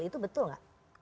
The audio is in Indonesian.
itu betul gak